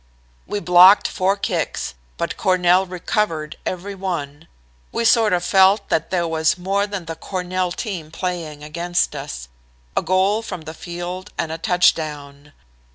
"We blocked four kicks, but Cornell recovered every one. We sort of felt that there was more than the Cornell team playing against us a goal from the field and a touchdown.